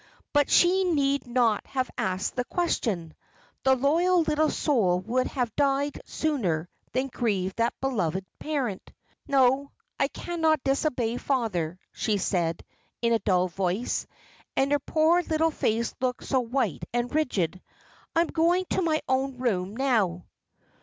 But she need not have asked the question. The loyal little soul would have died sooner than grieve that beloved parent. "No, I cannot disobey father," she said, in a dull voice; and her poor little face looked so white and rigid. "I am going to my own room now."